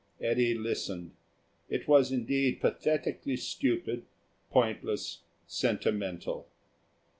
Eddy listened. It was indeed pathetically stupid, pointless, sentimental.